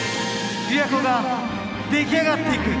びわ湖ができあがっていく。